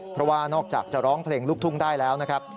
เพราะว่านอกจากจะร้องเพลงลูกทุ่งได้แล้วนะครับ